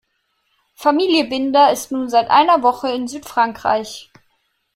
Familie Binder ist nun seit einer Woche in Südfrankreich.